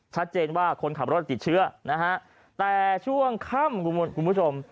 ชัดเจนว่าคนขับรถติดเชื้อนะฮะแต่ช่วงค่ำคุณผู้ชม